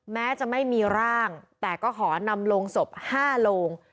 แม้จะไม่มีร่างแต่ก็ขอนำโลงศพ๕โลง